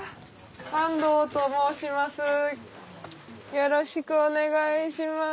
よろしくお願いします。